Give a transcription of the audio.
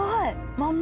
まんま！